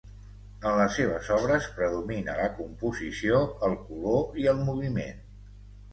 En les seves obres predomina la composició, el color i el moviment.